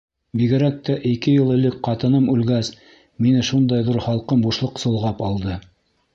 Бигерәк тә ике йыл элек ҡатыным үлгәс... мине шундай ҙур, һалҡын бушлыҡ солғап алды.